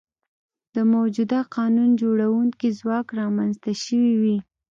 د موجوده قانون جوړوونکي ځواک رامنځته شوي وي.